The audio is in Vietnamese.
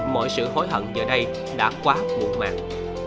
mọi sự hối hận giờ đây đã quá buồn mạng